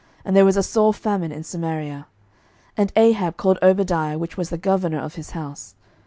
And there was a sore famine in Samaria. 11:018:003 And Ahab called Obadiah, which was the governor of his house.